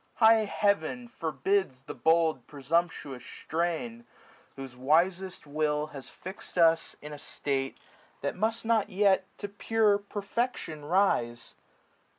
High Heaven forbids the bold presumptuous strain, Whose wisest will has fix'd us in a state That must not yet to pure perfection rise.